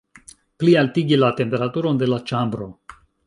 Plialtigi la temperaturon de la ĉambro!